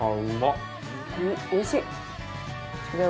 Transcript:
おいしい！